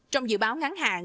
trong dự báo ngắn hạn